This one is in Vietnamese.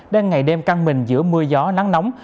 đang ngày đêm căng mình giữa mưa gió nắng nóng